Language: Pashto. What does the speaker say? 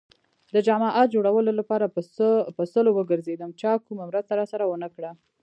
د جماعت جوړولو لپاره په سلو وگرځېدم. چا کومه مرسته راسره ونه کړه.